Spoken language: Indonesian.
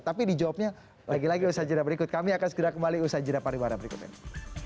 tapi dijawabnya lagi lagi di usaha jirah berikut kami akan segera kembali di usaha jirah pariwara berikutnya